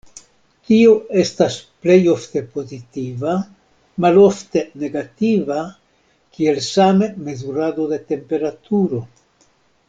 Tio estas plej ofte pozitiva, malofte negativa, kiel same mezurado de temperaturo.